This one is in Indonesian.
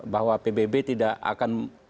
bahwa pbb tidak akan